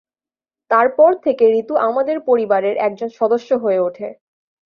তার পর থেকে ঋতু আমাদের পরিবারের একজন সদস্য হয়ে ওঠে।